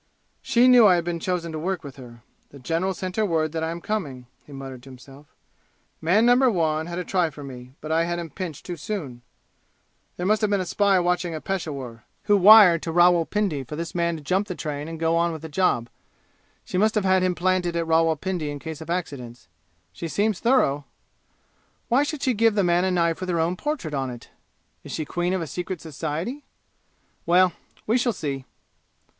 "She knew I had been chosen to work with her. The general sent her word that I am coming," he muttered to himself. "Man number one had a try for me, but I had him pinched too soon. There must have been a spy watching at Peshawur, who wired to Rawal Pindi for this man to jump the train and go on with the job. She must have had him planted at Rawal Pindi in case of accidents. She seems thorough! Why should she give the man a knife with her own portrait on it? Is she queen of a secret society? Well we shall see!"